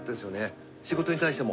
仕事に対しても。